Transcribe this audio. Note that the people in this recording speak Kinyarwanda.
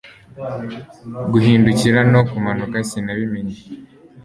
guhindukira no kumanuka Sinabimenye